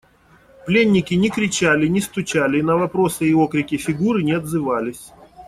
Пленники не кричали, не стучали и на вопросы и окрики Фигуры не отзывались.